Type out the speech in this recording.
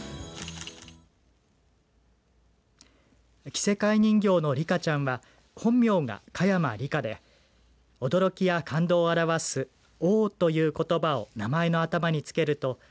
着せ替え人形のリカちゃんは本名が香山リカで驚きや感動を表すＯｈ！ということばを名前の頭につけるとＯｈ！